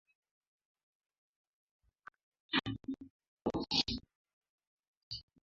Umoja wa Afrika umeisimamisha uanachama wa Sudan tangu mkuu wa jeshi kuongoza mapinduzi ya Oktoba mwaka elfu mbili ishirini na moja